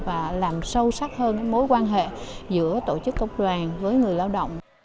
và làm sâu sắc hơn mối quan hệ giữa tổ chức công đoàn với người lao động